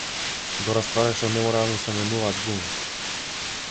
Добра ствар е што не мора да му се менуваат гуми.